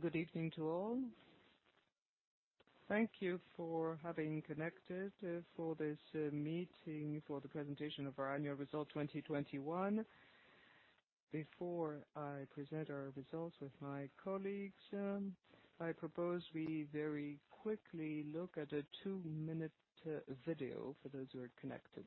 Good evening to all. Thank you for having connected for this meeting for the presentation of our annual results 2021. Before I present our results with my colleagues, I propose we very quickly look at a two-minute video for those who are connected.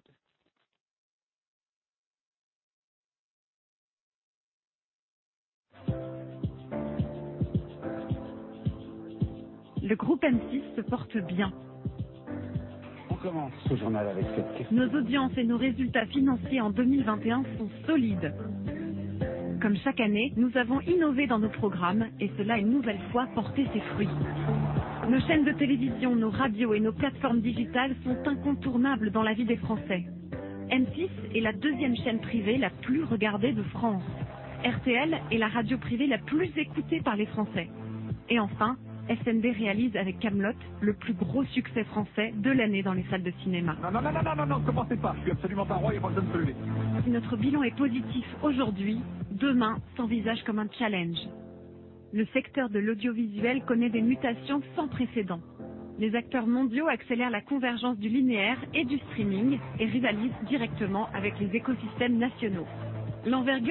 The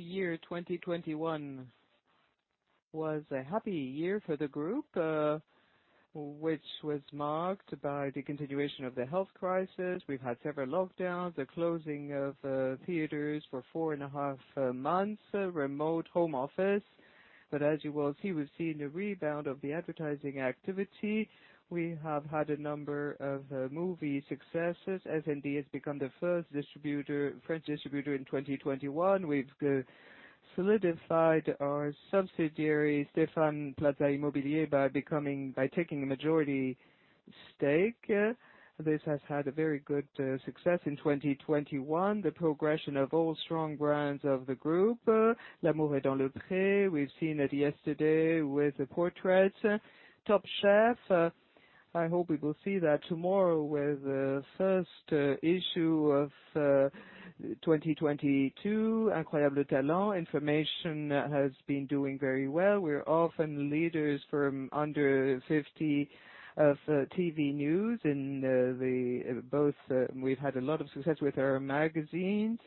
year 2021 was a happy year for the group, which was marked by the continuation of the health crisis. We've had several lockdowns, the closing of theaters for four and a half months, remote home office. But as you will see, we've seen a rebound of the advertising activity. We have had a number of movie successes. SND has become the first distributor French distributor in 2021. We've solidified our subsidiary, Stéphane Plaza Immobilier, by taking a majority stake. This has had a very good success in 2021. The progression of all strong brands of the group, L'amour est dans le pré. We've seen it yesterday with Les portraits. Top Chef, I hope we will see that tomorrow with the first issue of 2022. Incroyable Talent, information has been doing very well. We're often leaders in FRDA-50 of TV news. In both, we've had a lot of success with our magazines.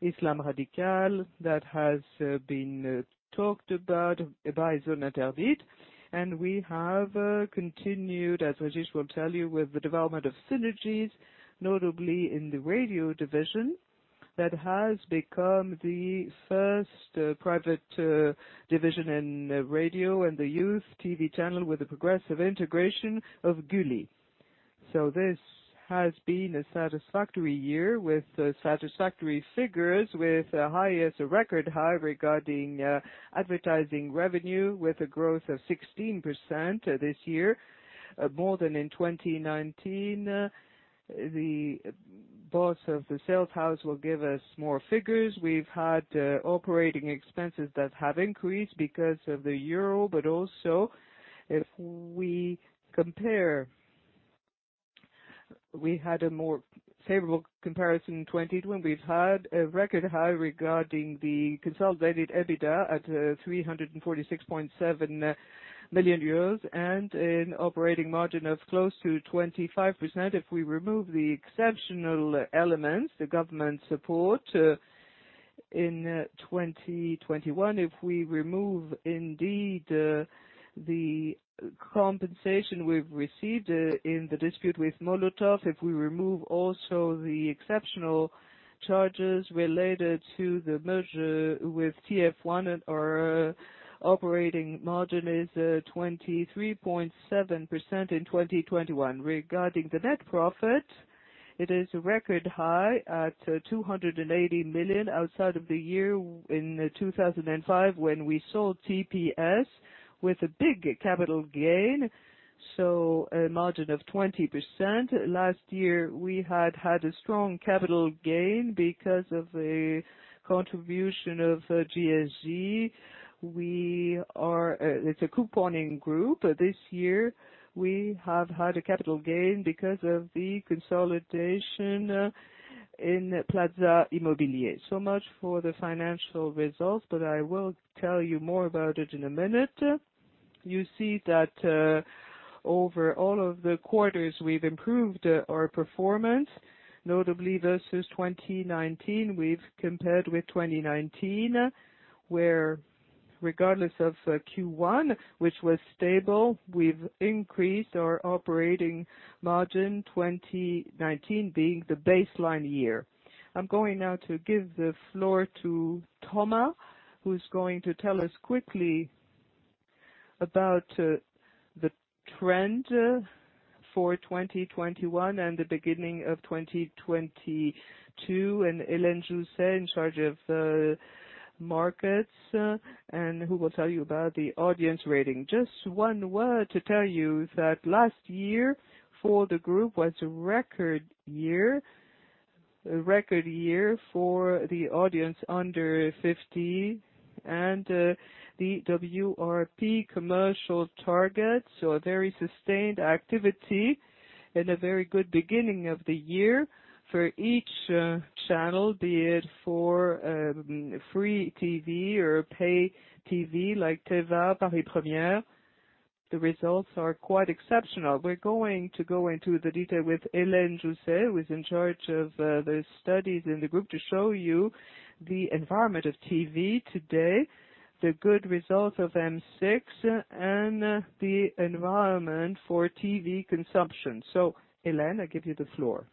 Islam radical, that has been talked about by Zone Interdite. We have continued, as Régis will tell you, with the development of synergies, notably in the radio division, that has become the first private division in radio and the youth TV channel with the progressive integration of Gulli. This has been a satisfactory year with satisfactory figures, with a record high regarding advertising revenue, with a growth of 16% this year, more than in 2019. The boss of the sales house will give us more figures. We've had operating expenses that have increased because of the euro, but also if we compare, we had a more favorable comparison in 2021. We've had a record high regarding the consolidated EBITDA at 346.7 million euros and an operating margin of close to 25%. If we remove the exceptional elements, the government support, in 2021. If we remove indeed the compensation we've received in the dispute with Molotov, if we remove also the exceptional charges related to the merger with TF1 and our operating margin is 23.7% in 2021. Regarding the net profit, it is a record high at 280 million outside of the year in 2005 when we sold TPS with a big capital gain. A margin of 20%. Last year, we had had a strong capital gain because of the contribution of GSG. It's a couponing group. This year, we have had a capital gain because of the consolidation in Stéphane Plaza Immobilier. Much for the financial results, but I will tell you more about it in a minute. You see that over all of the quarters, we've improved our performance, notably versus 2019. We've compared with 2019, where regardless of Q1, which was stable, we've increased our operating margin, 2019 being the baseline year. I'm going now to give the floor to Thomas, who's going to tell us quickly about the trend for 2021 and the beginning of 2022, and Hélène Jouët, in charge of markets, and who will tell you about the audience rating. Just one word to tell you that last year for the group was a record year. A record year for the audience under 50 and the WRP commercial target. A very sustained activity and a very good beginning of the year for each channel, be it for free TV or pay TV like Téva, Paris Première. The results are quite exceptional. We're going to go into the detail with Hélène Jouët, who is in charge of the studies in the group to show you the environment of TV today, the good results of M6, and the environment for TV consumption. Hélène, I give you the floor.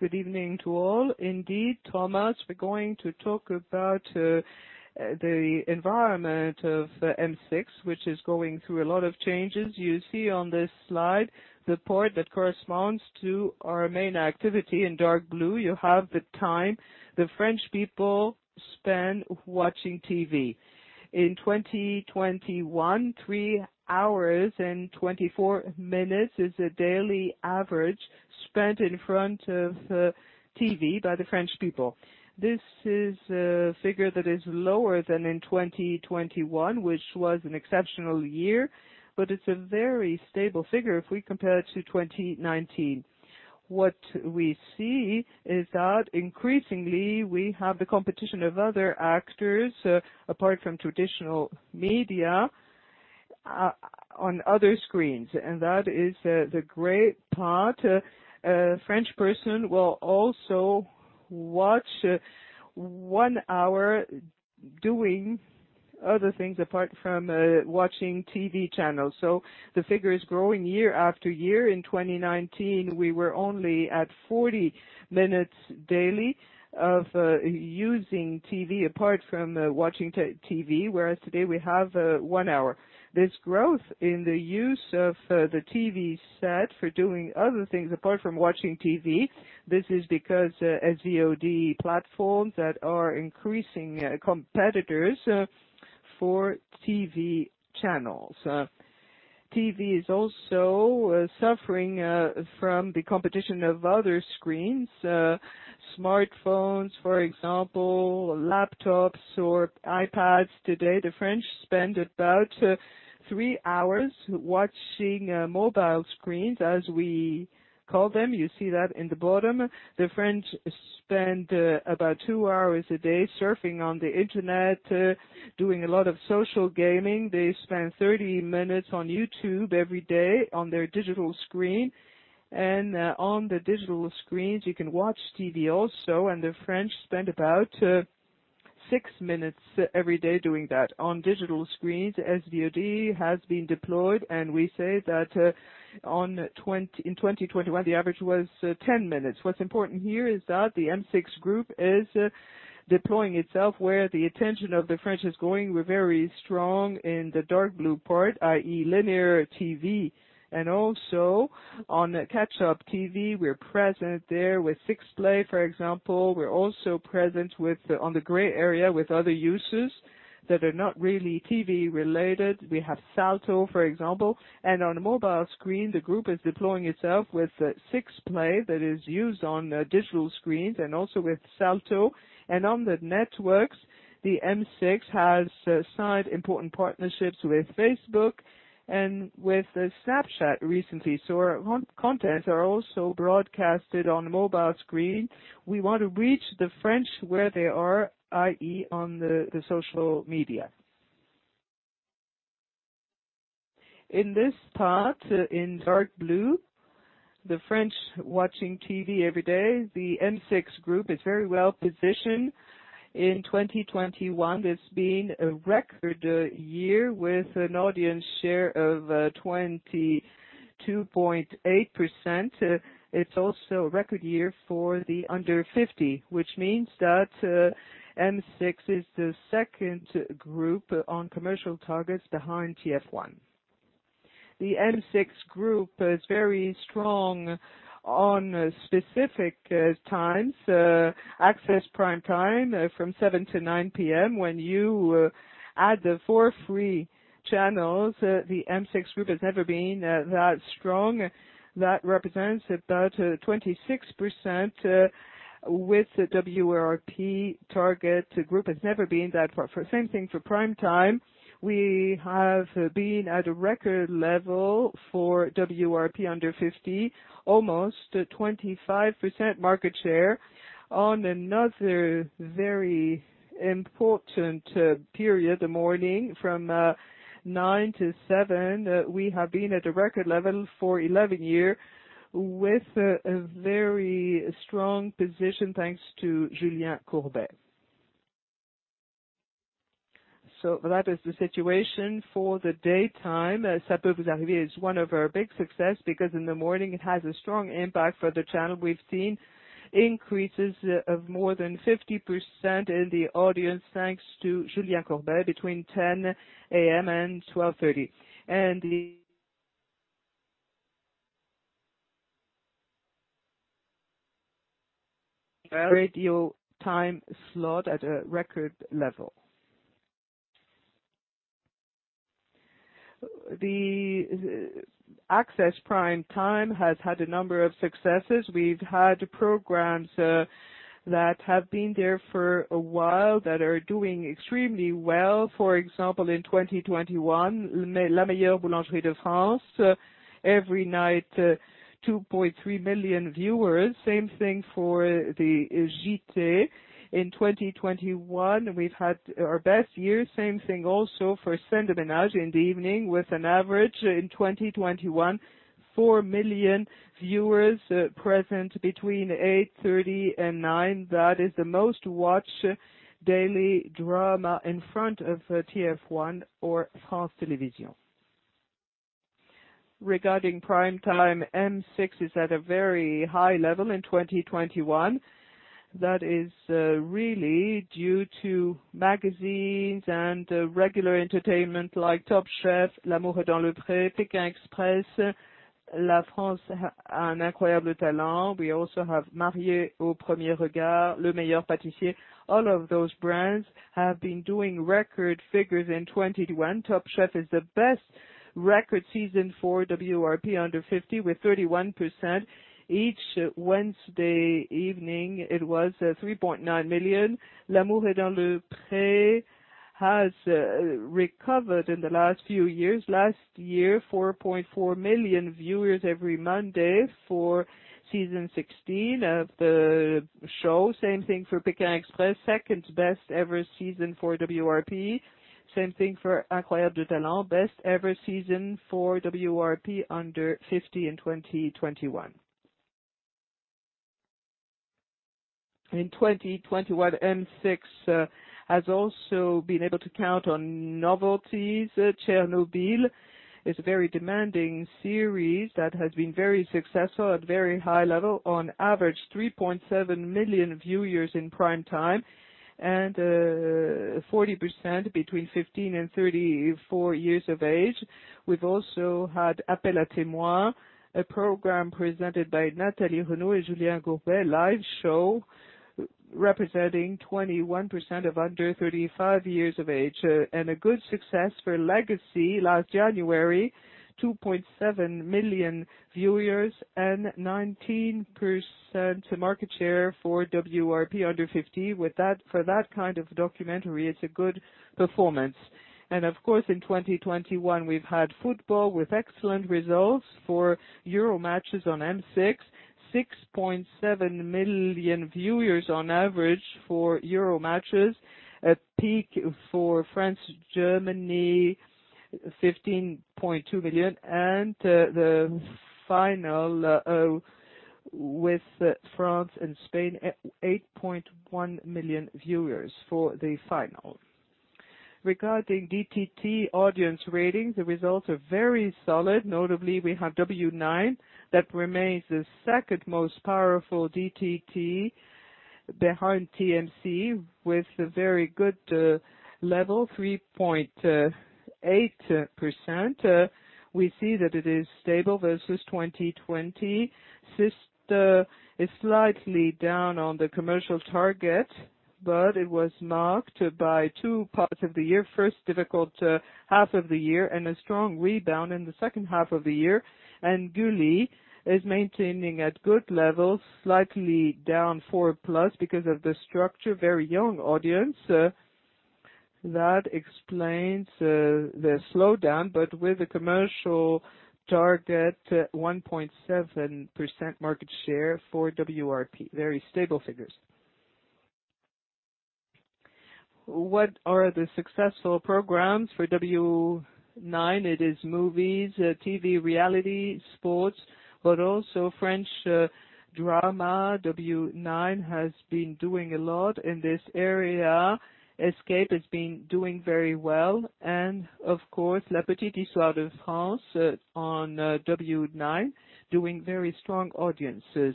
Good evening to all. Indeed, Thomas, we're going to talk about the environment of M6, which is going through a lot of changes. You see on this slide the part that corresponds to our main activity in dark blue. You have the time the French people spend watching TV. In 2021, 3 hours and 24 minutes is the daily average spent in front of TV by the French people. This is a figure that is lower than in 2021, which was an exceptional year, but it's a very stable figure if we compare it to 2019. What we see is that increasingly we have the competition of other actors apart from traditional media on other screens, and that is the gray part. A French person will also watch one hour doing other things apart from watching TV channels. The figure is growing year after year. In 2019, we were only at 40 minutes daily of using TV apart from watching TV, whereas today we have one hour. This growth in the use of the TV set for doing other things apart from watching TV is because SVOD platforms that are increasing competitors for TV channels. TV is also suffering from the competition of other screens, smartphones, for example, laptops or iPads. Today, the French spend about three hours watching mobile screens, as we call them. You see that at the bottom. The French spend about 2 hours a day surfing on the Internet, doing a lot of social gaming. They spend 30 minutes on YouTube every day on their digital screen. On the digital screens, you can watch TV also, and the French spend about 6 minutes every day doing that. On digital screens, SVOD has been deployed, and we say that in 2021, the average was 10 minutes. What's important here is that the M6 Group is deploying itself where the attention of the French is going. We're very strong in the dark blue part, i.e., linear TV. Also on catch-up TV, we're present there with 6play, for example. We're also present on the gray area with other uses that are not really TV-related. We have Salto, for example. On mobile screen, the group is deploying itself with 6play that is used on digital screens and also with Salto. On the networks, the M6 has signed important partnerships with Facebook and with Snapchat recently. Our contents are also broadcasted on mobile screen. We want to reach the French where they are, i.e., on the social media. In this part, in dark blue, the French watching TV every day. The M6 Group is very well-positioned. In 2021, it's been a record year with an audience share of 22.8%. It's also a record year for the under 50, which means that M6 is the second group on commercial targets behind TF1. The M6 Group is very strong on specific times, access prime time from 7 P.M to 9 P.M. When you add the four free channels, the M6 Group has never been that strong. That represents about 26% with the FRDA-50 target group. Has never been that far. The same thing for prime time, we have been at a record level for FRDA-50 under fifty, almost 25% market share. On another very important period, the morning from seven to nine, we have been at a record level for 11 years with a very strong position thanks to Julien Courbet. That is the situation for the daytime. Ça peut vous arriver is one of our big success because in the morning it has a strong impact for the channel. We've seen increases of more than 50% in the audience, thanks to Julien Courbet between 10:00 A.M. and 12:30 P.M. The radio time slot at a record level. The access prime time has had a number of successes. We've had programs that have been there for a while that are doing extremely well. For example, in 2021, La Meilleure Boulangerie de France, every night, 2.3 million viewers. Same thing for the JT. In 2021, we've had our best year. Same thing also for Scènes de ménages in the evening, with an average in 2021, 4 million viewers present between 8:30 P.M. and 9:00 P.M. That is the most watched daily drama in front of TF1 or France Télévisions. Regarding prime time, M6 is at a very high level in 2021. That is really due to magazines and regular entertainment like Top Chef, L'amour est dans le pré, Pékin Express, La France a un incroyable talent. We also have Mariés au premier regard, Le Meilleur Pâtissier. All of those brands have been doing record figures in 2021. Top Chef is the best record season for FRDA-50, with 31%. Each Wednesday evening, it was 3.9 million. L'amour est dans le pré has recovered in the last few years. Last year, 4.4 million viewers every Monday for season 16 of the show. Same thing for Pékin Express, second best ever season for FRDA-50. Same thing for Incroyable Talent, best ever season for FRDA-50 in 2021. In 2021, M6 has also been able to count on novelties. Chernobyl is a very demanding series that has been very successful at very high level. On average 3.7 million viewers in prime time and 40% between 15 and 34 years of age. We've also had Appel à témoins, a program presented by Nathalie Renoux and Julien Courbet, live show representing 21% of under 35 years of age. A good success for Legacy last January, 2.7 million viewers and 19% market share for FRDA-50. With that, for that kind of documentary, it's a good performance. Of course, in 2021, we've had football with excellent results for Euro matches on M6. 6.7 million viewers on average for Euro matches. A peak for France, Germany, 15.2 million, and the final with France and Spain, 8.1 million viewers for the final. Regarding DTT audience ratings, the results are very solid. Notably, we have W9 that remains the second most powerful DTT behind TMC with a very good level, 3.8%. We see that it is stable versus 2020. 6ter is slightly down on the commercial target, but it was marked by two parts of the year. First difficult half of the year and a strong rebound in the second half of the year. Gulli is maintaining at good levels, slightly down 4+ because of the structure. Very young audience. That explains the slowdown, but with a commercial target, 1.7% market share for W9. Very stable figures. What are the successful programs for W9? It is movies, TV reality, sports, but also French drama. W9 has been doing a lot in this area. Escape has been doing very well. Of course, La Petite Histoire de France on W9 doing very strong audiences.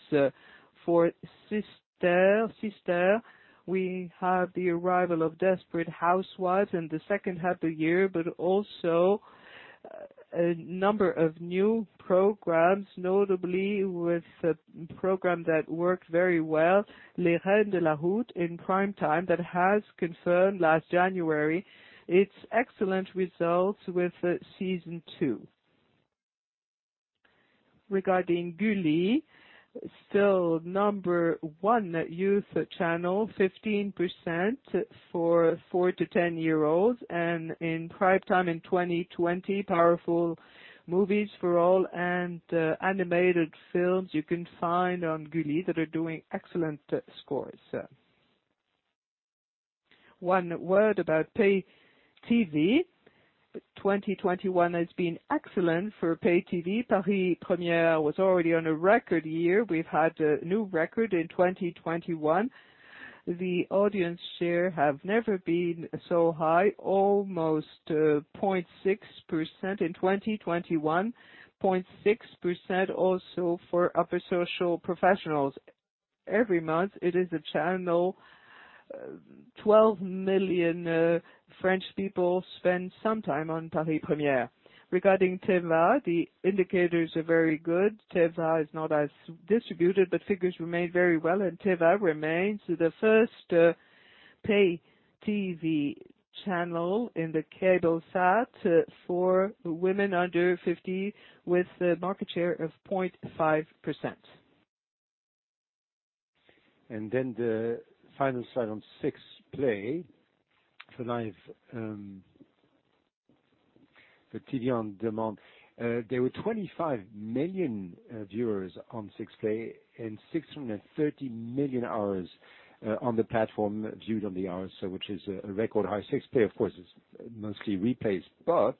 For 6ter, we have the arrival of Desperate Housewives in the second half of the year, but also a number of new programs, notably with a program that worked very well, Les Reines de la Route in prime time, that has confirmed last January its excellent results with season two. Regarding Gulli, still number one youth channel, 15% for four to 10-year-olds and in prime time in 2020 powerful movies for all and animated films you can find on Gulli that are doing excellent scores. One word about pay TV. 2021 has been excellent for pay TV. Paris Première was already on a record year. We have had a new record in 2021. The audience share has never been so high. Almost 0.6% in 2021. 0.6% also for upper social professionals. Every month it is a channel. 12 million French people spend some time on Paris Première. Regarding Téva, the indicators are very good. Téva is not as distributed, but figures remained very well, and Téva remains the first pay TV channel in the cables sat for women under 50, with a market share of 0.5%. The final slide on 6play. Now you have the TV on demand. There were 25 million viewers on 6play and 630 million hours on the platform viewed on the hour. Which is a record high. 6play, of course, is mostly replays, but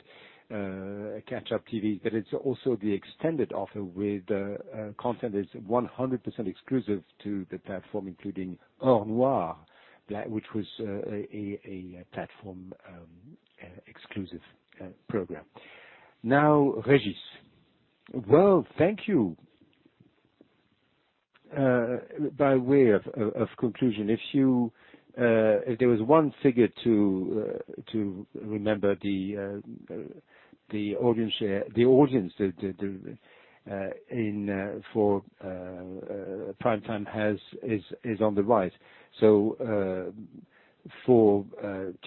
catch up TV. But it's also the extended offer with content that's 100% exclusive to the platform, including Or Noir, Black, which was a platform exclusive program. Now, Régis. Well, thank you. By way of conclusion, if there was one figure to remember, the audience share in prime time is on the rise. For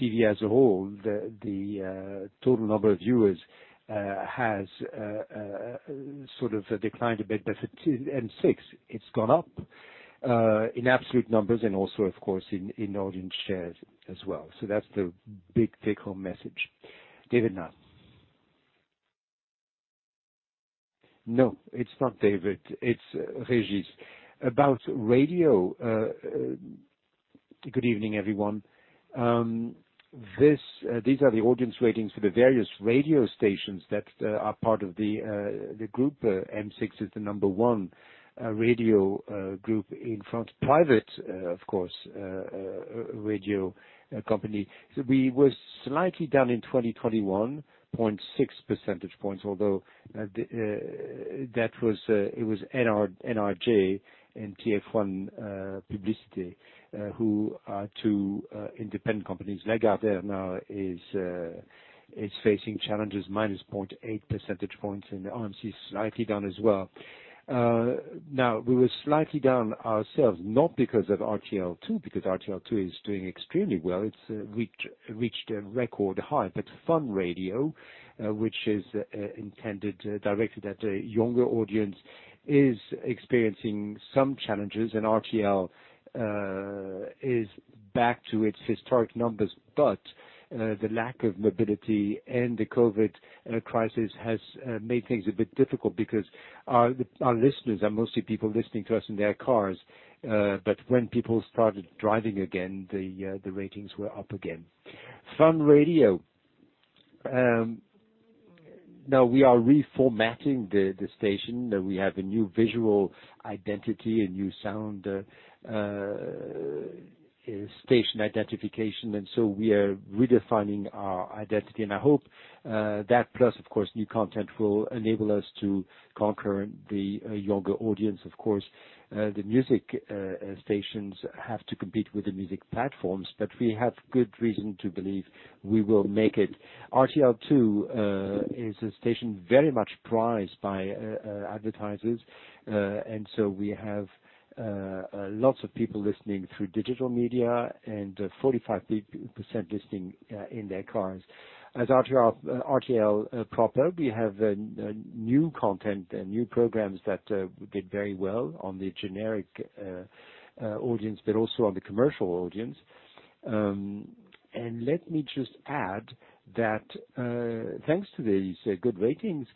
TV as a whole, the total number of viewers has sort of declined a bit, but for M6 it's gone up in absolute numbers and also, of course, in audience shares as well. That's the big take home message. David now. No, it's not David. It's Régis. About radio. Good evening, everyone. These are the audience ratings for the various radio stations that are part of the group. M6 is the number one radio group in France. Private, of course, radio company. We were slightly down in 2021, 0.6 percentage points, although that was NRJ and TF1 Publicité, who are two independent companies. Lagardère now is facing challenges, -0.8 percentage points, and RMC is slightly down as well. Now we were slightly down ourselves, not because of RTL2, because RTL2 is doing extremely well. It's reached a record high. Fun Radio, which is intended directly at a younger audience, is experiencing some challenges, and RTL is back to its historic numbers. The lack of mobility and the COVID crisis has made things a bit difficult because our listeners are mostly people listening to us in their cars. When people started driving again, the ratings were up again. Fun Radio. Now we are reformatting the station. We have a new visual identity, a new sound, station identification, and so we are redefining our identity. I hope that plus, of course, new content will enable us to conquer the younger audience. Of course, the music stations have to compete with the music platforms, but we have good reason to believe we will make it. RTL2 is a station very much prized by advertisers. We have lots of people listening through digital media and 45% listening in their cars. As RTL proper, we have new content and new programs that did very well on the generic audience, but also on the commercial audience. Let me just add that, thanks to these good ratings,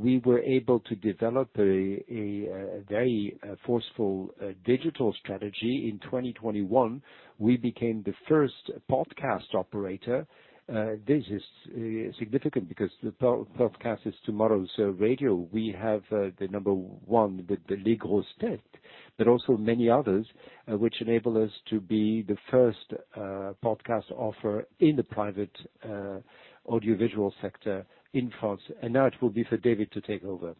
we were able to develop a very forceful digital strategy. In 2021, we became the first podcast operator. This is significant because the podcast is tomorrow's radio. We have the number one, Les Grosses Têtes, but also many others, which enable us to be the first podcast offer in the private audiovisual sector in France. Now it will be for David to take over.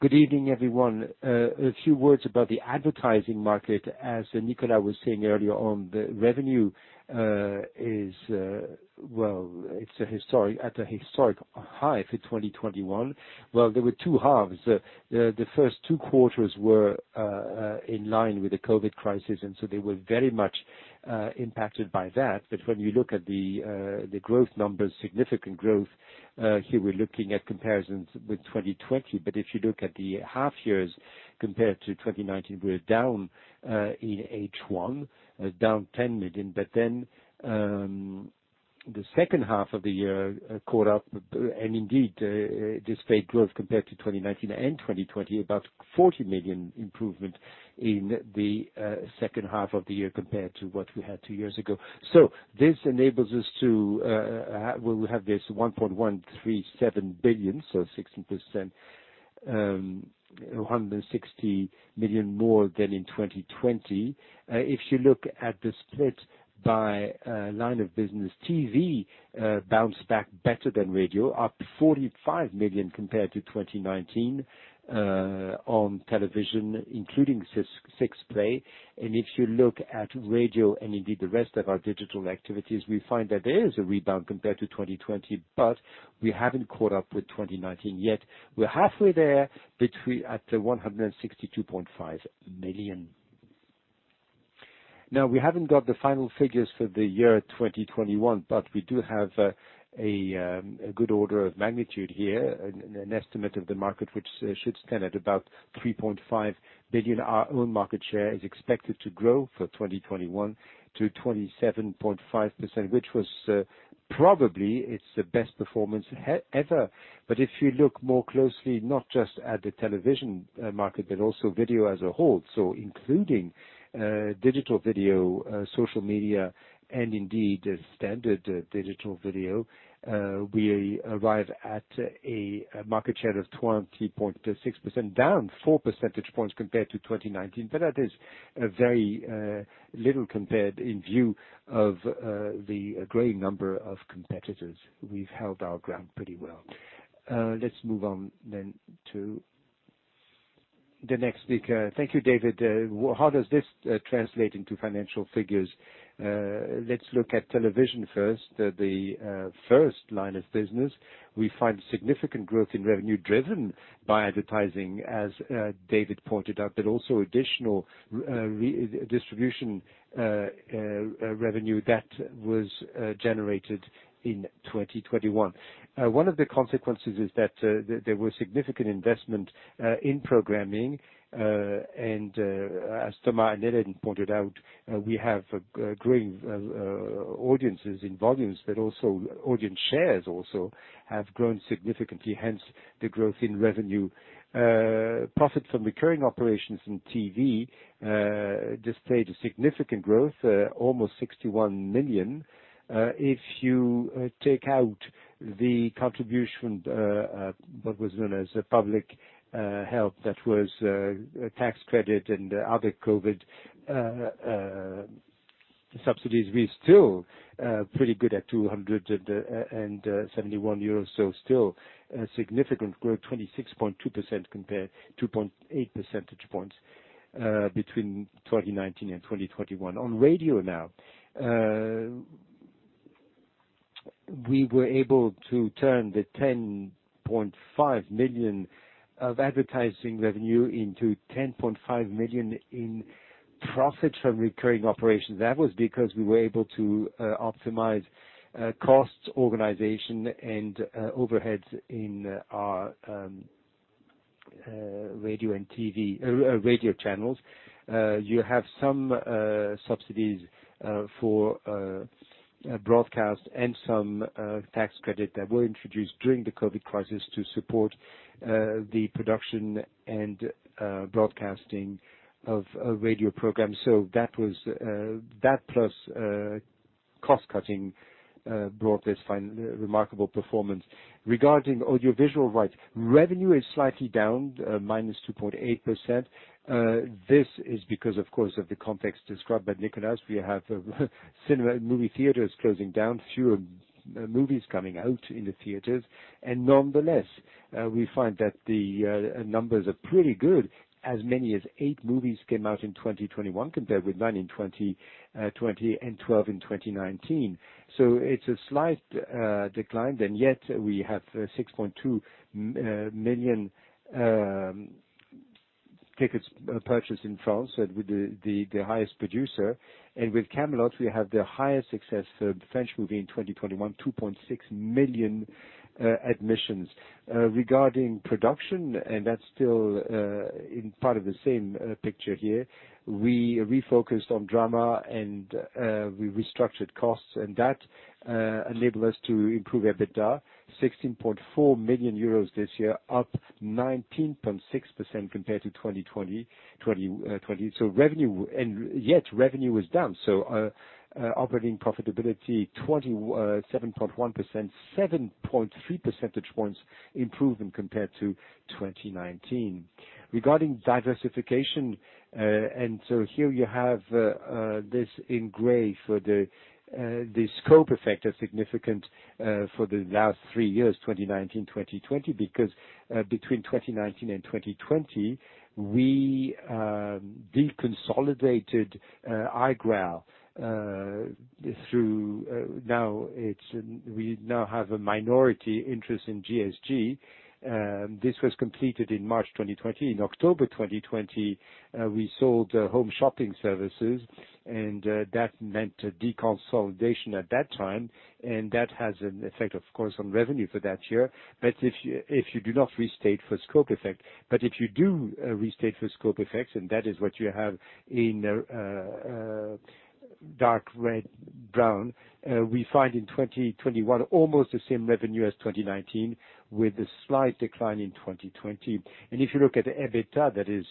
Good evening, everyone. A few words about the advertising market. As Nicolas was saying earlier on, the revenue is well, it's at a historic high for 2021. Well, there were two halves. The first two quarters were in line with the COVID crisis, and so they were very much impacted by that. When you look at the growth numbers, significant growth here, we're looking at comparisons with 2020. If you look at the half years compared to 2019, we're down in H1, down 10 million. Then the second half of the year caught up. Indeed, this great growth compared to 2019 and 2020, about 40 million improvement in the second half of the year compared to what we had two years ago. This enables us to have this 1.137 billion, so 16%, 160 million more than in 2020. If you look at the split by line of business, TV bounced back better than radio, up 45 million compared to 2019, on television, including 6play. If you look at radio and indeed the rest of our digital activities, we find that there is a rebound compared to 2020, but we haven't caught up with 2019 yet. We're halfway there between at 162.5 million. Now, we haven't got the final figures for the year 2021, but we do have a good order of magnitude here, an estimate of the market which should stand at about 3.5 billion. Our own market share is expected to grow for 2021 to 27.5%, which was probably it's the best performance ever. If you look more closely, not just at the television market, but also video as a whole, so including digital video, social media and indeed the standard digital video, we arrive at a market share of 20.6%, down 4 percentage points compared to 2019. That is very little compared in view of the growing number of competitors. We've held our ground pretty well. Let's move on then to the next speaker. Thank you, David. How does this translate into financial figures? Let's look at television first. The first line of business, we find significant growth in revenue driven by advertising, as David pointed out, but also additional redistribution revenue that was generated in 2021. One of the consequences is that there were significant investment in programming. As Thomas and Hélène pointed out, we have growing audiences in volumes, but also audience shares also have grown significantly, hence the growth in revenue. Profit from recurring operations in TV displayed a significant growth, almost 61 million. If you take out the contribution, what was known as a public health that was a tax credit and other COVID subsidies, we're still pretty good at 271 million euros. Still a significant growth, 26.2% compared to 2.8 percentage points, between 2019 and 2021. On radio now. We were able to turn the 10.5 million of advertising revenue into 10.5 million in profit from recurring operations. That was because we were able to optimize costs, organization, and overheads in our radio channels. You have some subsidies for broadcast and some tax credit that were introduced during the COVID crisis to support the production and broadcasting of a radio program. That plus cost-cutting brought this remarkable performance. Regarding audiovisual rights, revenue is slightly down -2.8%. This is because, of course, of the context described by Nicolas. We have cinema movie theaters closing down, fewer movies coming out in the theaters. Nonetheless, we find that the numbers are pretty good. As many as eight movies came out in 2021 compared with 9 in 2020 and 12 in 2019. It's a slight decline. Yet we have 6.2 million tickets purchased in France with the highest grosser. With Kaamelott, we have the highest success for the French movie in 2021, 2.6 million admissions. Regarding production, that's still in part of the same picture here, we refocused on drama and we restructured costs and that enabled us to improve EBITDA 16.4 million euros this year, up 19.6% compared to 2020. Revenue was down. Operating profitability 27.1%, 7.3 percentage points improvement compared to 2019. Regarding diversification, here you have this in gray for the scope effect are significant for the last three years, 2019, 2020, because between 2019 and 2020, we deconsolidated iGraal. We now have a minority interest in GSG. This was completed in March 2020. In October 2020, we sold home shopping services, and that meant a deconsolidation at that time, and that has an effect, of course, on revenue for that year. If you do not restate for scope effect, but if you do restate for scope effects, and that is what you have in dark red, brown, we find in 2021 almost the same revenue as 2019, with a slight decline in 2020. If you look at EBITDA, that is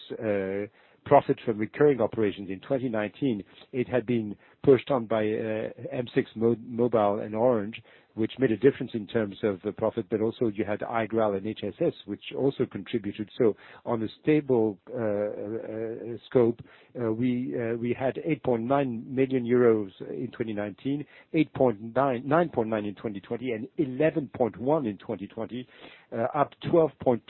profit from recurring operations in 2019, it had been pushed on by M6 Mobile and Orange, which made a difference in terms of the profit, but also you had iGraal and HSS, which also contributed. On a stable scope, we had 8.9 million euros in 2019, 9.9 million in 2020, and 11.1 million in 2021, up 12.2%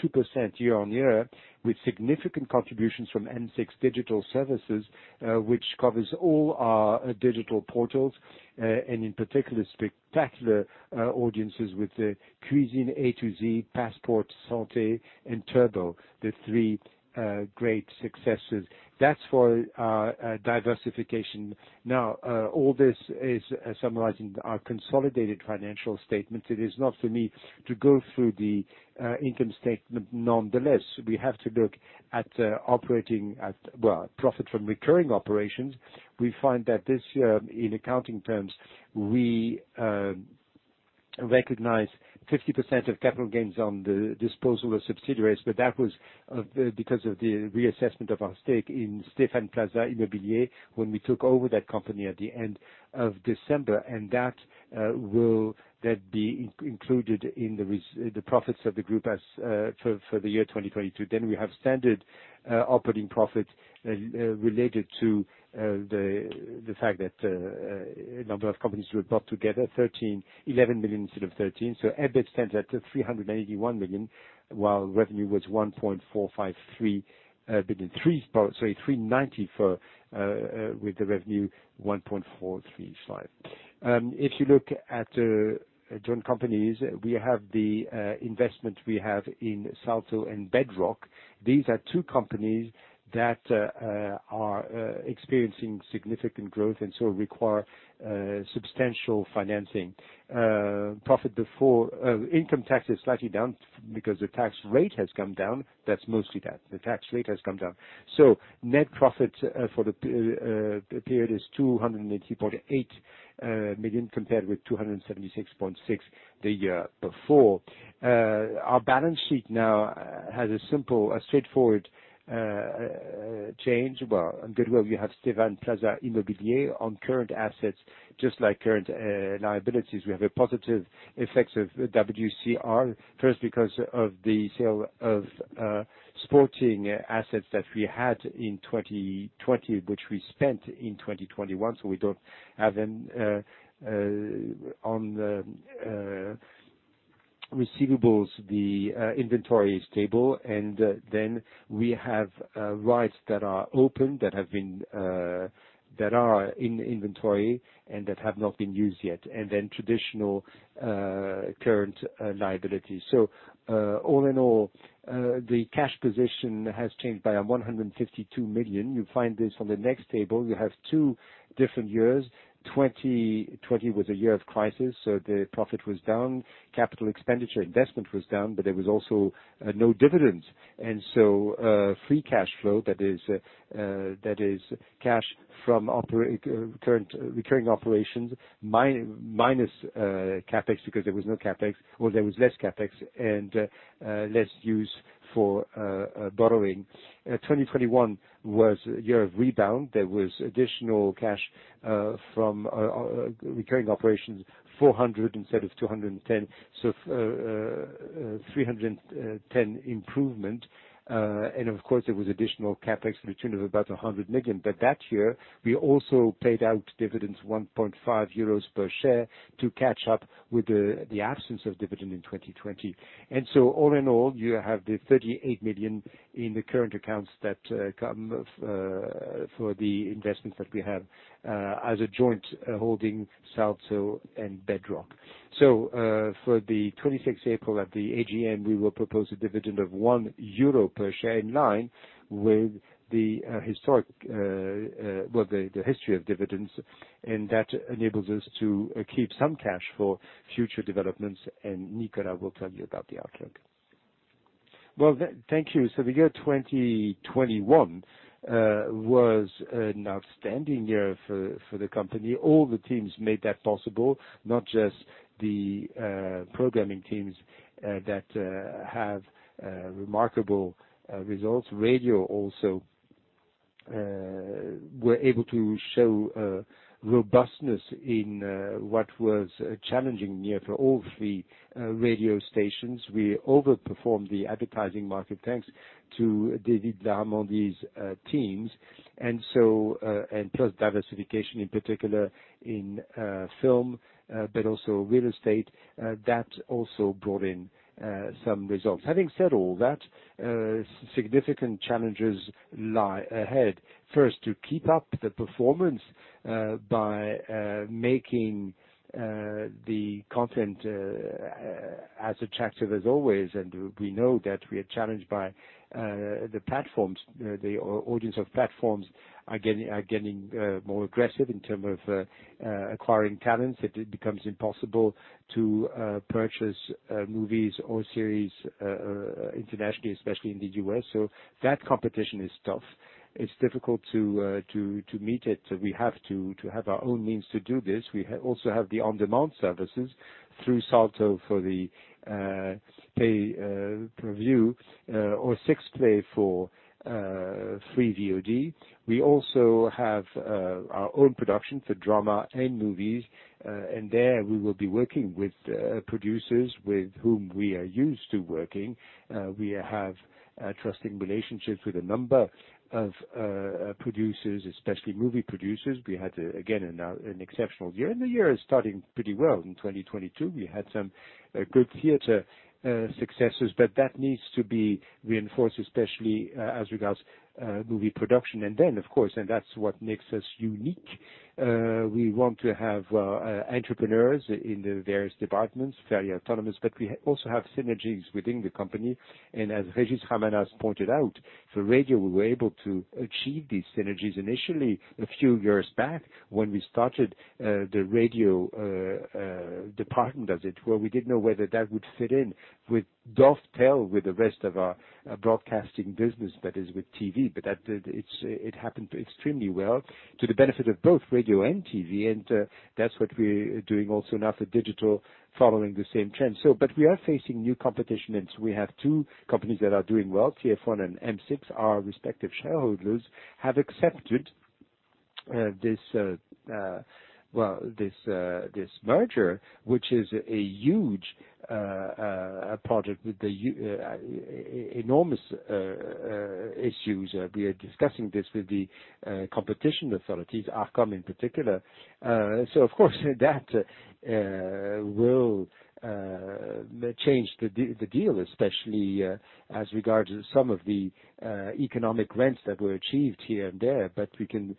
year-on-year, with significant contributions from M6 Digital Services, which covers all our digital portals, and in particular, spectacular audiences with Cuisine AZ, Passeport Santé, and Turbo, the three great successes. That's for our diversification. Now all this is summarizing our consolidated financial statement. It is not for me to go through the income statement. Nonetheless, we have to look at operating profit from recurring operations. We find that this year, in accounting terms, we recognize 50% of capital gains on the disposal of subsidiaries, but that was because of the reassessment of our stake in Stéphane Plaza Immobilier, when we took over that company at the end of December. That will then be included in the profits of the group for the year 2022. We have standard operating profits related to the fact that a number of companies were brought together, 11 million instead of 13 million. EBIT stands at 381 million, EBITDA EUR 394 million, while revenue was 1.435 billion. If you look at joint companies, we have the investment we have in Salto and Bedrock. These are two companies that are experiencing significant growth and so require substantial financing. Profit before income tax is slightly down because the tax rate has come down. That's mostly that. The tax rate has come down. Net profit for the period is 280.8 million compared with 276.6 million the year before. Our balance sheet now has a simple, a straightforward change. Well, goodwill, we have Stéphane Plaza Immobilier on current assets, just like current liabilities. We have positive effects of WCR, first because of the sale of sporting assets that we had in 2020, which we spent in 2021. We don't have them on the receivables. The inventory is stable. We have rights that are open that are in inventory and that have not been used yet, and then traditional current liability. All in all, the cash position has changed by 152 million. You find this on the next table. You have two different years. 2020 was a year of crisis, so the profit was down. Capital expenditure investment was down, but there was also no dividends. Free cash flow, that is cash from recurring operations minus CapEx because there was no CapEx, or there was less CapEx, and less use for borrowing. 2021 was a year of rebound. There was additional cash from recurring operations, 400 instead of 210. 310 improvement. And of course, there was additional CapEx to the tune of about 100 million. That year, we also paid out dividends 1.5 euros per share to catch up with the absence of dividend in 2020. All in all, you have the 38 million in the current accounts for the investments that we have as a joint holding, Salto and Bedrock. For April 26th at the AGM, we will propose a dividend of 1 euro per share in line with the history of dividends, and that enables us to keep some cash for future developments. Nicolas will tell you about the outlook. Well, thank you. The year 2021 was an outstanding year for the company. All the teams made that possible, not just the programming teams that have remarkable results. Radio also were able to show robustness in what was a challenging year for all three radio stations. We overperformed the advertising market thanks to David Darmon's teams, and plus diversification, in particular in film, but also real estate, that also brought in some results. Having said all that, significant challenges lie ahead. First, to keep up the performance by making the content as attractive as always. We know that we are challenged by the platforms. You know, the audience of platforms are getting more aggressive in terms of acquiring talents. It becomes impossible to purchase movies or series internationally, especially in the U.S. That competition is tough. It's difficult to meet it. We have to have our own means to do this. We also have the on-demand services through Salto for the pay-per-view or 6play for free VOD. We also have our own production for drama and movies, and there we will be working with producers with whom we are used to working. We have trusting relationships with a number of producers, especially movie producers. We had, again, an exceptional year, and the year is starting pretty well in 2022. We had some good theater successes, but that needs to be reinforced, especially as regards movie production. Then, of course, and that's what makes us unique, we want to have entrepreneurs in the various departments, fairly autonomous, but we also have synergies within the company. As Régis Ravanas pointed out, for radio, we were able to achieve these synergies initially a few years back when we started the radio department, as it were. We didn't know whether that would dovetail with the rest of our broadcasting business, that is with TV. It's happened extremely well to the benefit of both radio and TV. That's what we're doing also now for digital, following the same trend. We are facing new competition, and we have two companies that are doing well, TF1 and M6. Our respective shareholders have accepted this, well, this merger, which is a huge project with enormous issues. We are discussing this with the competition authorities, Arcom in particular. Of course that will change the deal, especially as regards some of the economic rents that were achieved here and there. We can,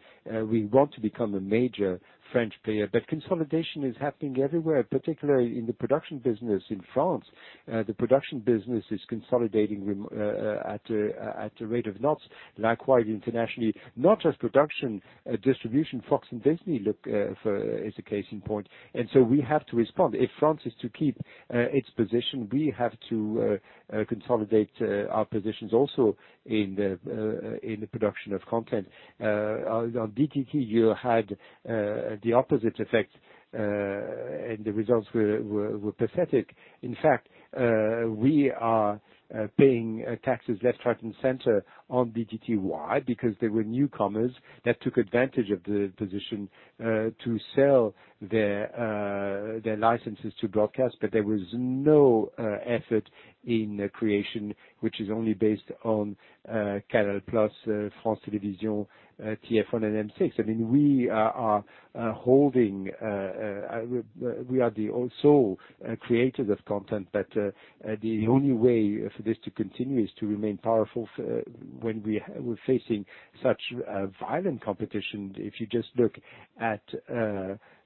we want to become a major French player. Consolidation is happening everywhere, particularly in the production business in France. The production business is consolidating at the rate of knots. Likewise internationally, not just production, distribution, Fox and Disney look for as a case in point. We have to respond. If France is to keep its position, we have to consolidate our positions also in the production of content. On DTT, you had the opposite effect, and the results were pathetic. In fact, we are paying taxes left, right, and center on DTT. Why? Because there were newcomers that took advantage of the position to sell their licenses to broadcast. There was no effort in creation, which is only based on Canal+, France Télévisions, TF1 and M6. I mean, we are holding, we are also the creators of content. The only way for this to continue is to remain powerful when we're facing such violent competition. If you just look at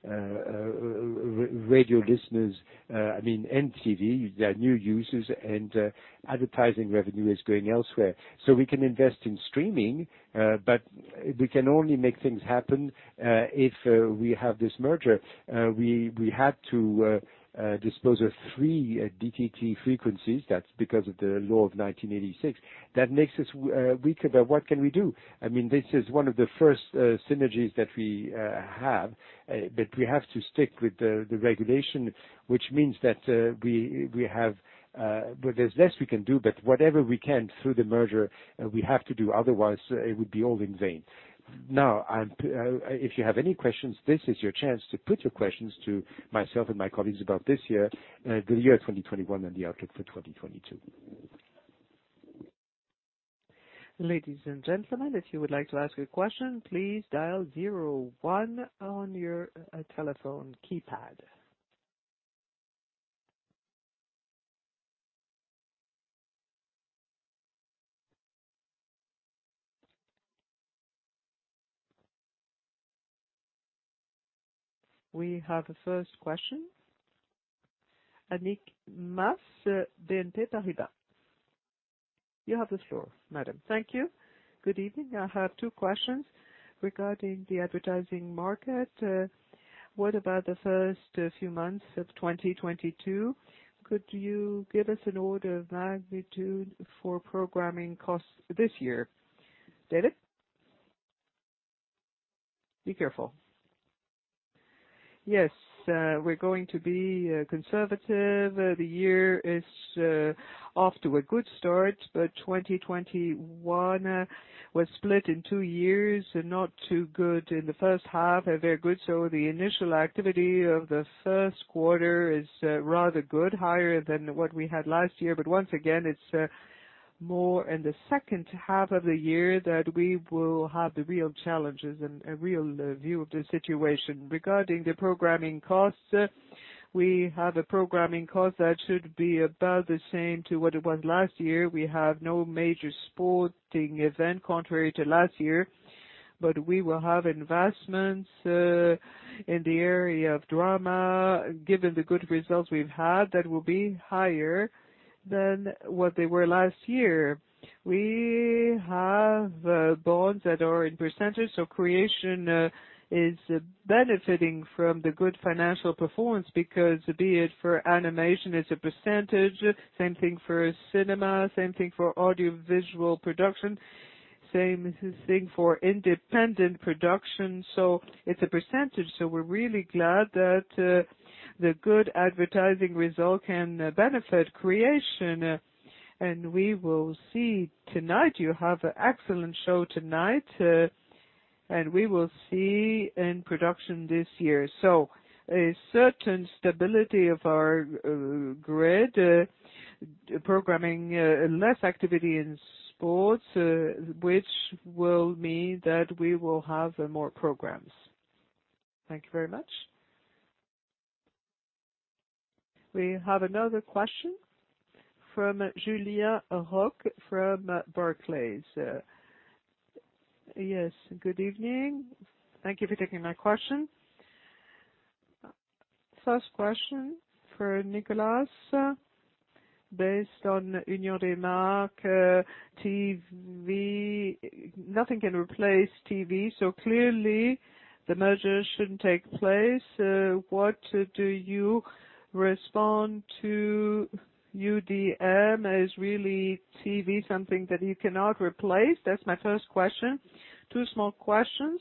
radio listeners, I mean, and TV, there are new users and advertising revenue is going elsewhere. We can invest in streaming, but we can only make things happen if we have this merger. We had to dispose of 3 DTT frequencies. That's because of the law of 1986. That makes us weaker, but what can we do? I mean, this is one of the first synergies that we have. We have to stick with the regulation, which means that well, there's less we can do, but whatever we can through the merger, we have to do, otherwise it would be all in vain. Now, if you have any questions, this is your chance to put your questions to myself and my colleagues about this year, the year 2021 and the outlook for 2022. Ladies and gentlemen, if you would like to ask a question, please dial zero one on your telephone keypad. We have the first question. Annick Maas, BNP Paribas. You have the floor, madam. Thank you. Good evening. I have two questions regarding the advertising market. What about the first few months of 2022? Could you give us an order of magnitude for programming costs this year? David? Be careful. Yes, we're going to be conservative. The year is off to a good start. 2021 was split in two years, not too good in the first half, very good. The initial activity of the first quarter is rather good, higher than what we had last year. Once again, it's more in the second half of the year that we will have the real challenges and a real view of the situation. Regarding the programming costs, we have a programming cost that should be about the same as what it was last year. We have no major sporting event, contrary to last year. We will have investments in the area of drama. Given the good results we've had, that will be higher than what they were last year. We have budgets that are in percentage. Creation is benefiting from the good financial performance because be it for animation, it's a percentage. Same thing for cinema, same thing for audiovisual production, same thing for independent production. It's a percentage. We're really glad that the good advertising result can benefit creation. We will see tonight. You have an excellent show tonight, and we will see in production this year. A certain stability of our grid programming, less activity in sports, which will mean that we will have more programs. Thank you very much. We have another question from Julien Roch from Barclays. Yes. Good evening. Thank you for taking my question. First question for Nicolas. Based on Union des Marques, TV. Nothing can replace TV, so clearly the merger shouldn't take place. What do you respond to UDM? Is really TV something that you cannot replace? That's my first question. Two small questions.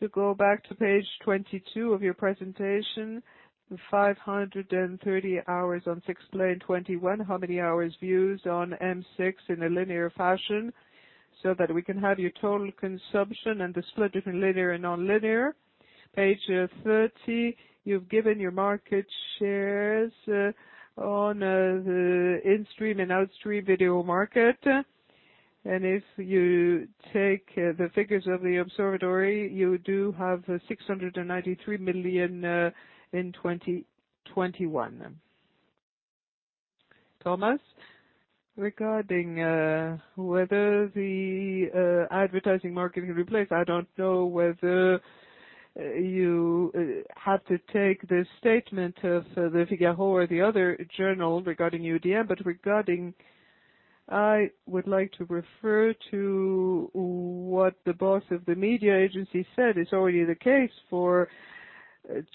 To go back to Page 22 of your presentation, the 530 hours on 6play in 2021. How many hours views on M6 in a linear fashion so that we can have your total consumption and the split between linear and non-linear? Page 30, you've given your market shares on in-stream and out-stream video market. If you take the figures of the observatory, you do have 693 million in 2021. Thomas, regarding whether the advertising market can replace, I don't know whether you have to take the statement of the Figaro or the other journal regarding UDM, but I would like to refer to what the boss of the media agency said. It's already the case for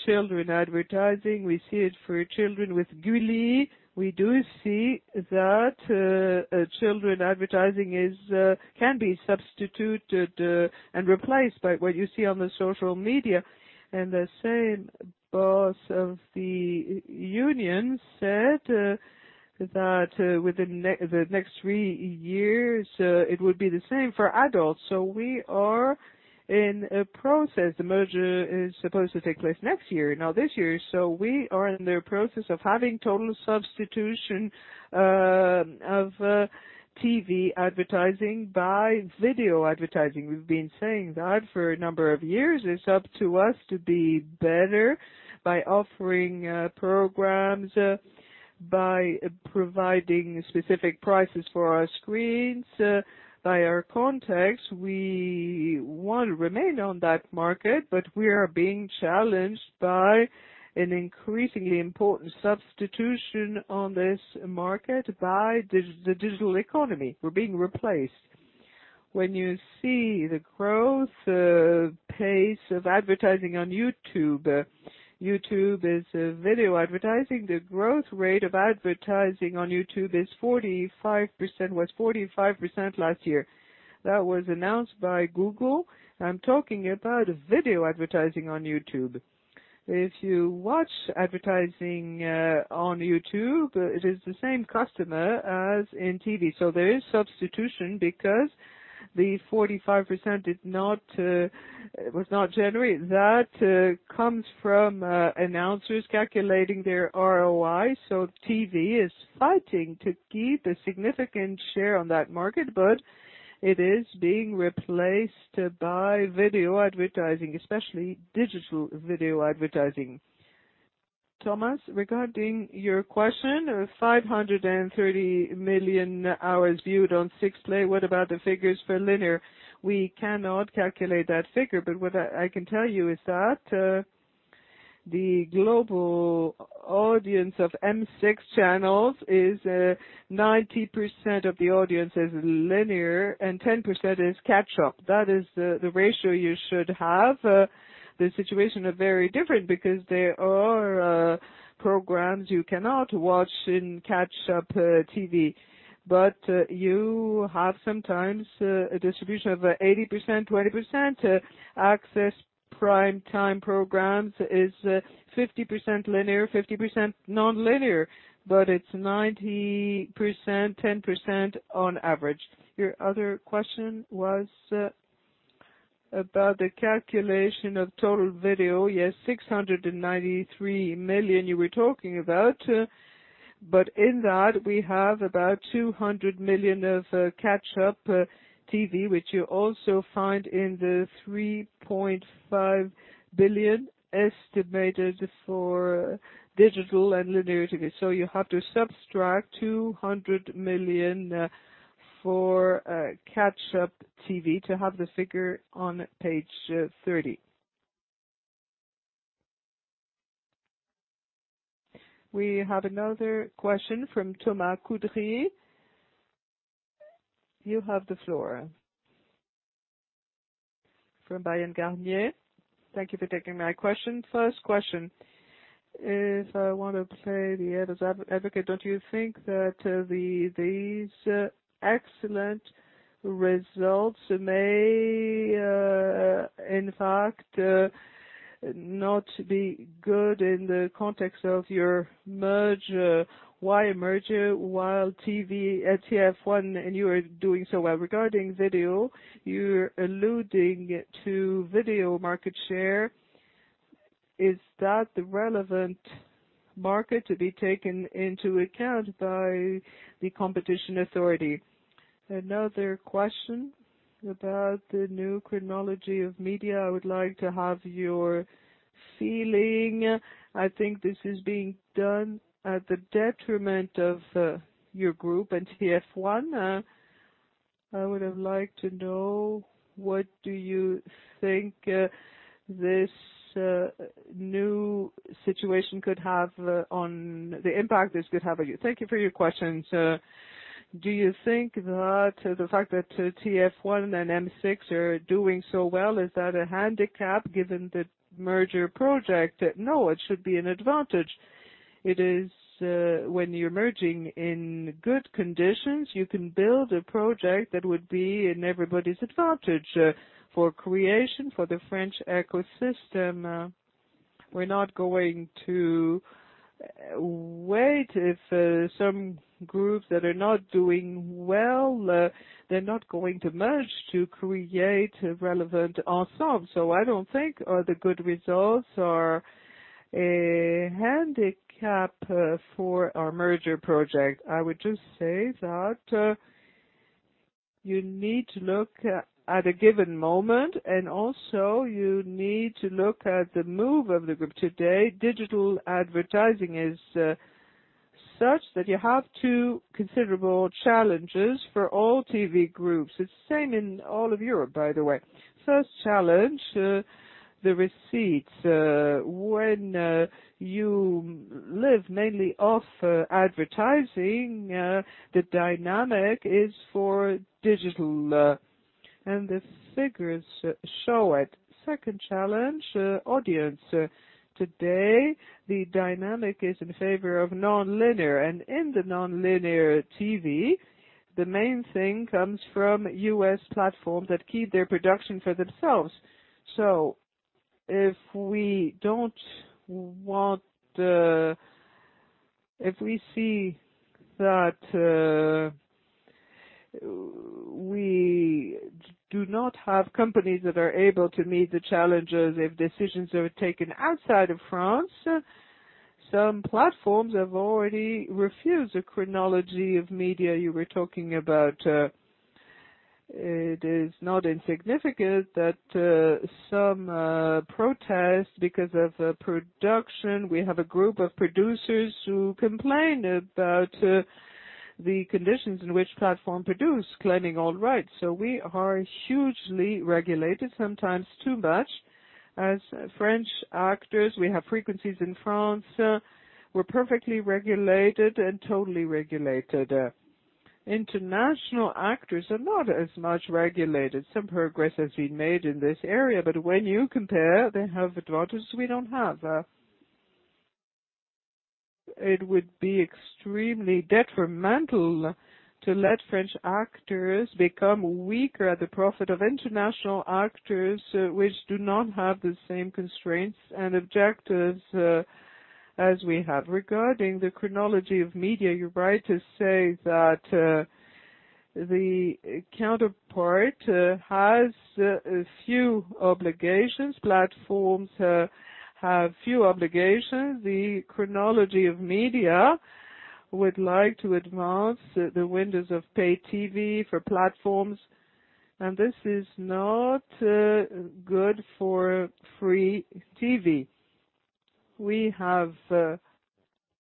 children advertising. We see it for children with Gulli. We do see that children advertising can be substituted and replaced by what you see on the social media. The same boss of the union said that within the next three years it would be the same for adults. We are in a process. The merger is supposed to take place next year, now this year. We are in the process of having total substitution of TV advertising by video advertising. We've been saying that for a number of years. It's up to us to be better by offering programs, by providing specific prices for our screens by our context. We want to remain on that market, but we are being challenged by an increasingly important substitution on this market by the digital economy. We're being replaced. When you see the growth pace of advertising on YouTube. YouTube is video advertising. The growth rate of advertising on YouTube is 45%, was 45% last year. That was announced by Google. I'm talking about video advertising on YouTube. If you watch advertising on YouTube, it is the same customer as in TV. There is substitution because the 45% did not, was not generated. That comes from announcers calculating their ROI. TV is fighting to keep a significant share on that market, but it is being replaced by video advertising, especially digital video advertising. Thomas, regarding your question, 530 million hours viewed on 6play. What about the figures for linear? We cannot calculate that figure, but what I can tell you is that the global audience of M6 channels is 90% of the audience is linear and 10% is catch up. That is the ratio you should have. The situation are very different because Programs you cannot watch in catch up TV, but you have sometimes a distribution of 80%, 20%. Access prime time programs is 50% linear, 50% nonlinear, but it's 90%, 10% on average. Your other question was about the calculation of total video. Yes. 693 million you were talking about. But in that we have about 200 million of catch up TV, which you also find in the 3.5 billion estimated for digital and linear TV. You have to subtract 200 million for catch-up TV to have the figure on Page 30. We have another question from Thomas Coudry. You have the floor. From Bryan, Garnier & Co. Thank you for taking my question. First question, if I want to play the devil's advocate, don't you think that these excellent results may, in fact, not be good in the context of your merger? Why a merger with TF1 and you are doing so well? Regarding video, you're alluding to video market share. Is that the relevant market to be taken into account by the competition authority? Another question about the new chronology of media. I would like to have your feeling. I think this is being done at the detriment of your group and TF1. I would have liked to know what do you think this new situation could have on the impact this could have on you. Thank you for your question. Do you think that the fact that TF1 and M6 are doing so well is a handicap given the merger project? No, it should be an advantage. It is when you're merging in good conditions you can build a project that would be in everybody's advantage for creation, for the French ecosystem. We're not going to wait. If some groups that are not doing well they're not going to merge to create relevant ensemble. I don't think the good results are a handicap for our merger project. I would just say that you need to look at a given moment, and also you need to look at the move of the group. Today, digital advertising is such that you have two considerable challenges for all TV groups. It's the same in all of Europe, by the way. First challenge, the receipts. When you live mainly off advertising, the dynamic is for digital, and the figures show it. Second challenge, audience. Today, the dynamic is in favor of non-linear, and in the non-linear TV, the main thing comes from U.S. platforms that keep their production for themselves. If we see that we do not have companies that are able to meet the challenges if decisions are taken outside of France, some platforms have already refused. The chronology of media you were talking about, it is not insignificant that some protest because of production. We have a group of producers who complain about the conditions in which platforms produce, claiming all rights. We are hugely regulated, sometimes too much. As French actors, we have frequencies in France. We're perfectly regulated and totally regulated. International actors are not as much regulated. Some progress has been made in this area, but when you compare, they have advantages we don't have. It would be extremely detrimental to let French actors become weaker to the profit of international actors, which do not have the same constraints and objectives, as we have. Regarding the chronology of media, you're right to say that the counterpart has a few obligations. Platforms have few obligations. The Chronologie des Médias would like to advance the windows of paid TV for platforms, and this is not good for free TV. We have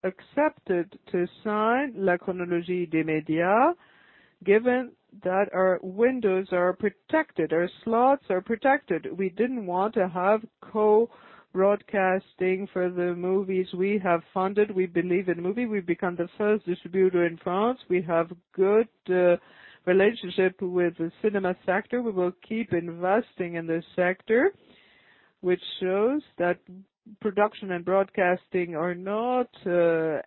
accepted to sign La Chronologie des Médias, given that our windows are protected, our slots are protected. We didn't want to have co-broadcasting for the movies we have funded. We believe in movie. We've become the first distributor in France. We have good relationship with the cinema sector. We will keep investing in this sector, which shows that production and broadcasting are not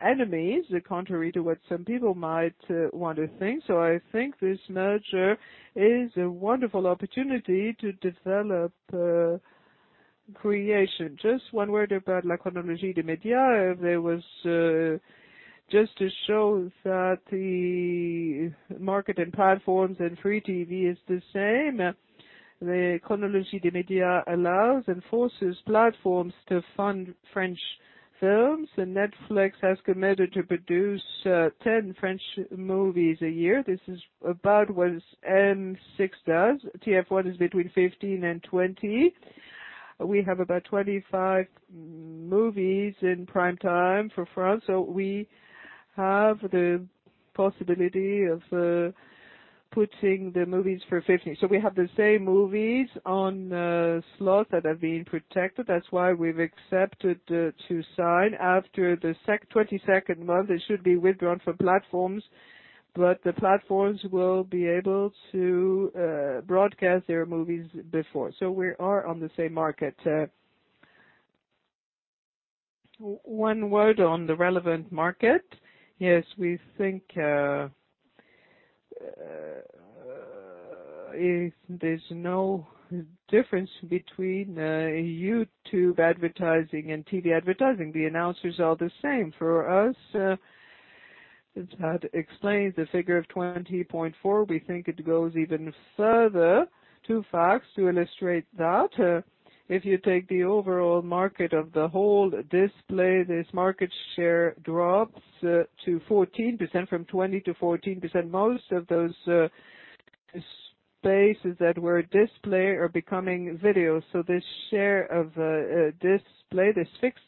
enemies, contrary to what some people might want to think. I think this merger is a wonderful opportunity to develop creation. Just one word about La Chronologie des Médias. Just to show that the market and platforms and free TV is the same. The chronologie des médias allows and forces platforms to fund French films, and Netflix has committed to produce 10 French movies a year. This is about what M6 does. TF1 is between 15 and 20. We have about 25 movies in prime time for France. We have the possibility of putting the movies for 15. We have the same movies on slots that are being protected. That's why we've accepted to sign. After the 22nd month, it should be withdrawn from platforms, but the platforms will be able to broadcast their movies before. We are on the same market. One word on the relevant market. Yes, we think if there's no difference between YouTube advertising and TV advertising, the advertisers are the same. For us, that explains the figure of 20.4%. We think it goes even further. Two facts to illustrate that. If you take the overall market of the whole display, this market share drops to 14%, from 20%-14%. Most of those spaces that were display are becoming video. This share of display, this fixed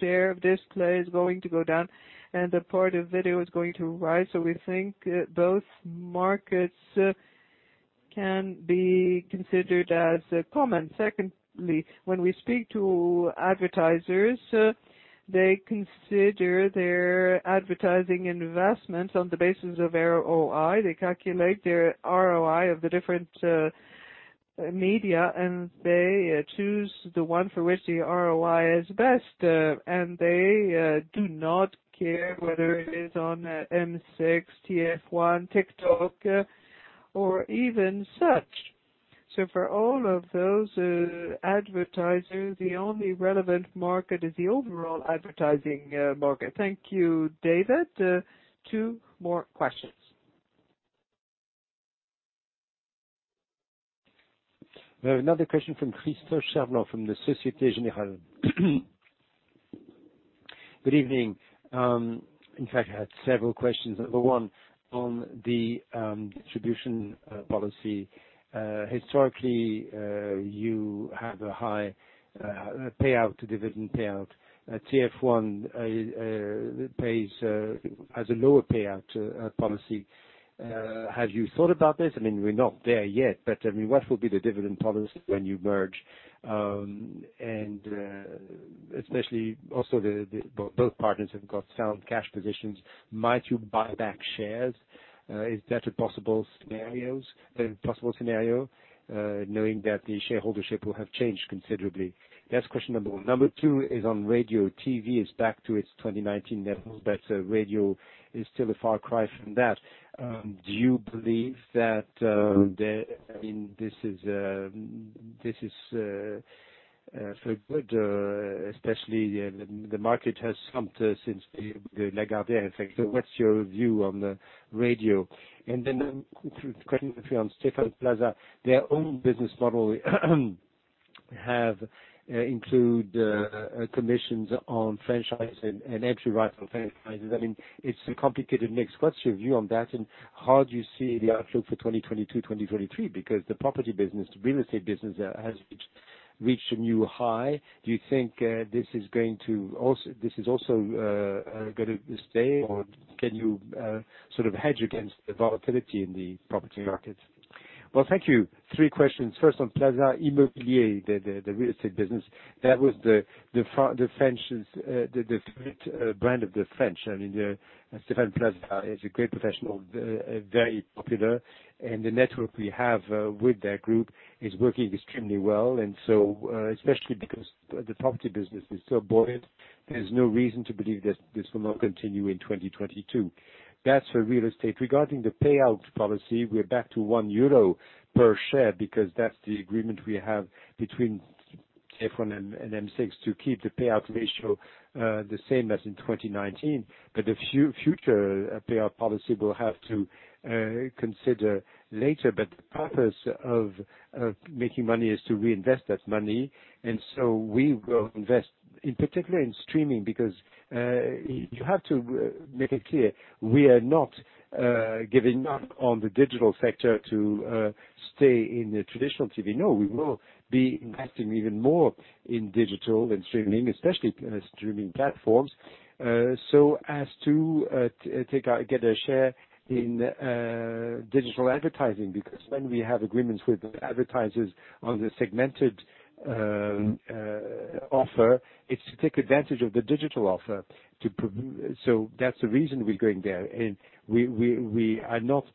share of display is going to go down, and the part of video is going to rise. We think both markets can be considered as common. Secondly, when we speak to advertisers, they consider their advertising investments on the basis of ROI. They calculate their ROI of the different media, and they choose the one for which the ROI is best, and they do not care whether it is on M6, TF1, TikTok, or even search. For all of those advertisers, the only relevant market is the overall advertising market. Thank you, David. Two more questions. We have another question from Christophe Cherblanc, from Société Générale. Good evening. In fact, I had several questions. Number one on the distribution policy. Historically, you have a high payout, dividend payout. TF1 has a lower payout policy. Have you thought about this? I mean, we're not there yet, but I mean, what will be the dividend policy when you merge? Especially also both partners have got sound cash positions. Might you buy back shares? Is that a possible scenario, knowing that the shareholdership will have changed considerably? That's question number one. Number two is on radio. TV is back to its 2019 levels, but radio is still a far cry from that. Do you believe that, the... I mean, this is for good, especially the market has slumped since the Lagardère effect. What's your view on the radio? Then quick question with you on Stéphane Plaza. Their own business model has included commissions on franchises and entry rights on franchises. I mean, it's a complicated mix. What's your view on that, and how do you see the outlook for 2022, 2023? Because the property business, the real estate business has reached a new high. Do you think this is also gonna stay, or can you sort of hedge against the volatility in the property markets? Well, thank you. Three questions. First, on Stéphane Plaza Immobilier, the real estate business. That was the French is the favorite brand of the French. I mean, Stéphane Plaza is a great professional, very popular. The network we have with their group is working extremely well. Especially because the property business is so buoyant, there's no reason to believe that this will not continue in 2022. That's for real estate. Regarding the payout policy, we're back to 1 euro per share because that's the agreement we have between TF1 and M6, to keep the payout ratio the same as in 2019. The future payout policy we'll have to consider later. The purpose of making money is to reinvest that money. We will invest, in particular in streaming because you have to make it clear, we are not giving up on the digital sector to stay in the traditional TV. No, we will be investing even more in digital and streaming, especially streaming platforms, so as to get a share in digital advertising. Because when we have agreements with advertisers on the segmented offer, it's to take advantage of the digital offer. That's the reason we're going there, and we are not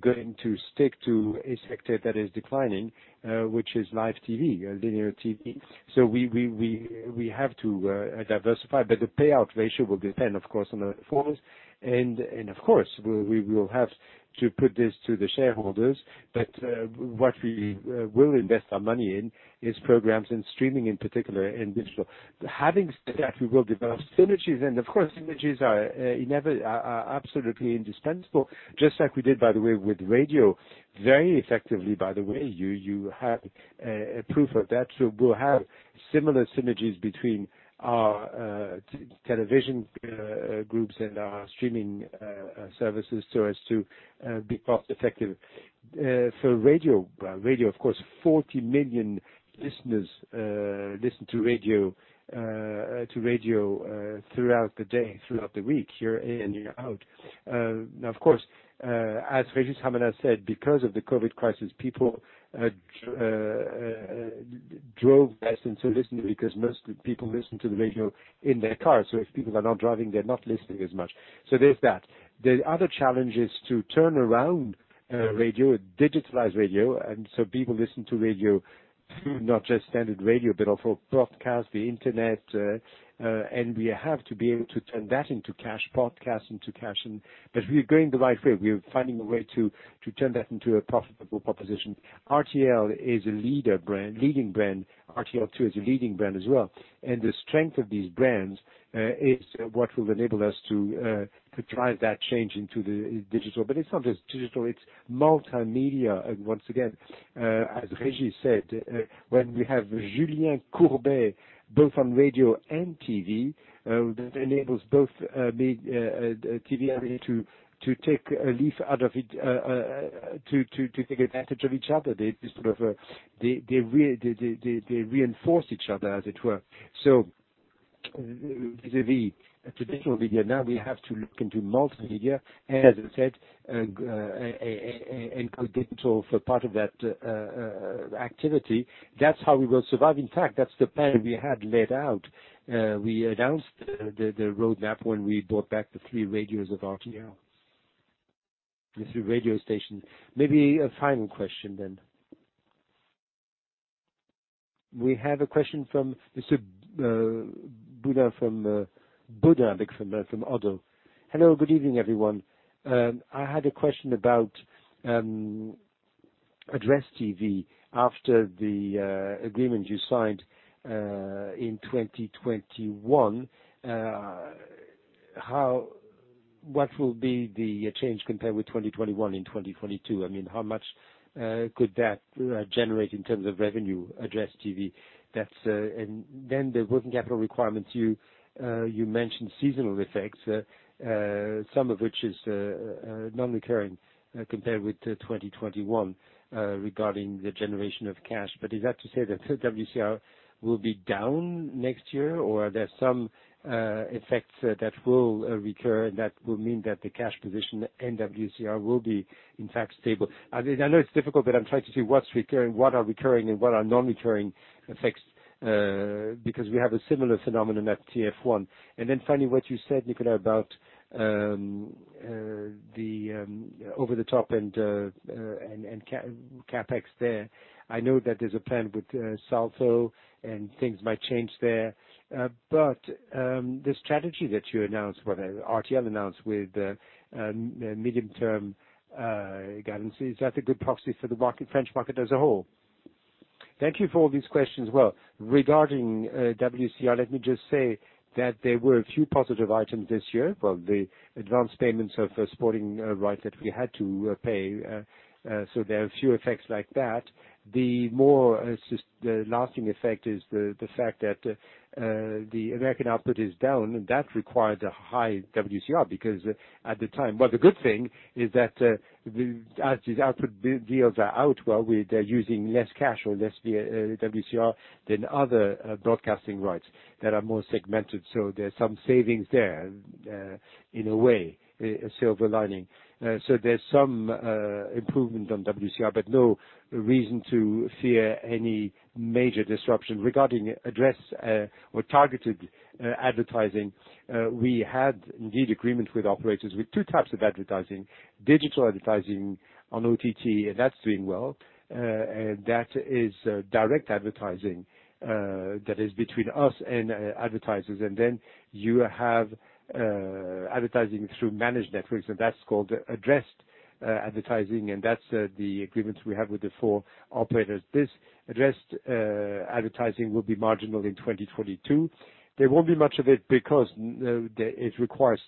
going to stick to a sector that is declining, which is live TV, linear TV. We have to diversify. The payout ratio will depend, of course, on the performance. Of course, we will have to put this to the shareholders. What we will invest our money in is programs and streaming in particular and digital. Having said that, we will develop synergies and, of course, synergies are absolutely indispensable, just like we did, by the way, with radio, very effectively, by the way. You have a proof of that. We'll have similar synergies between our television groups and our streaming services so as to be cost effective. For radio, of course, 40 million listeners listen to radio throughout the day, throughout the week, year in, year out. Of course, as Régis Ravanas said, because of the COVID crisis, people drove less and so listened less because most of the people listen to the radio in their cars. If people are not driving, they're not listening as much. There's that. The other challenge is to turn around radio, digitalize radio, and so people listen to radio through not just standard radio, but also broadcast, the Internet, and we have to be able to turn that into cash, podcasts into cash. We are going the right way. We are finding a way to turn that into a profitable proposition. RTL is a leading brand. RTL2 is a leading brand as well. The strength of these brands is what will enable us to drive that change into the digital. It's not just digital, it's multimedia. Once again, as Régis said, when we have Julien Courbet both on radio and TV, that enables both TV and radio to take advantage of each other. They sort of reinforce each other, as it were. Vis-à-vis traditional video, now we have to look into multimedia, as I said, and go digital for part of that activity. That's how we will survive. In fact, that's the plan we had laid out. We announced the roadmap when we brought back the three radios of RTL. The three radio stations. Maybe a final question. We have a question from Jérôme Bodin from Oddo. Hello, good evening, everyone. I had a question about addressable TV after the agreement you signed in 2021. What will be the change compared with 2021 and 2022? I mean, how much could that generate in terms of revenue addressable TV? Then the working capital requirements, you mentioned seasonal effects, some of which is non-recurring, compared with 2021, regarding the generation of cash. Is that to say that the WCR will be down next year, or are there some effects that will recur and that will mean that the cash position and WCR will be in fact stable? I know it's difficult, but I'm trying to see what's recurring, what are recurring and what are non-recurring effects, because we have a similar phenomenon at TF1. What you said, Nicolas, about the over-the-top and CapEx there. I know that there's a plan with Salto and things might change there. The strategy that you announced, well, RTL announced with medium-term guidance, is that a good proxy for the market, French market as a whole? Thank you for all these questions. Well, regarding WCR, let me just say that there were a few positive items this year. Well, the advanced payments of sporting rights that we had to pay, so there are a few effects like that. The more the lasting effect is the fact that the American output is down, and that required a high WCR because at the time. Well, the good thing is that as these output deals are out, well, they're using less cash or less WCR than other broadcasting rights that are more segmented. So there's some savings there in a way, a silver lining. So there's some improvement on WCR, but no reason to fear any major disruption. Regarding addressable or targeted advertising, we had indeed agreement with operators with two types of advertising. Digital advertising on OTT, and that's doing well. And that is direct advertising that is between us and advertisers. You have advertising through managed networks, and that's called addressed advertising, and that's the agreements we have with the four operators. This addressed advertising will be marginal in 2022. There won't be much of it because it requires